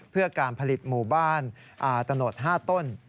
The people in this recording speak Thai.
เพื่อการผลิตหมู่บ้านตะโนด๕ต้น